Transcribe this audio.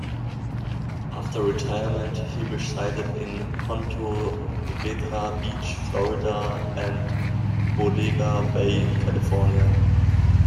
After retirement he resided in Ponte Vedra Beach, Florida, and Bodega Bay, California.